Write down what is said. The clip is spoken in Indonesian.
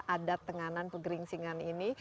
adat tenganan pegering singan ini